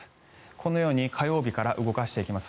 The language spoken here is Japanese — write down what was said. このように火曜日から動かしていきます。